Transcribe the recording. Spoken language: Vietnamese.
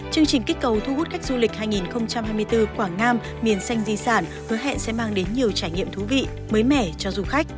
chương trình kích cầu thu hút khách du lịch hai nghìn hai mươi bốn quảng nam miền xanh di sản hứa hẹn sẽ mang đến nhiều trải nghiệm thú vị mới mẻ cho du khách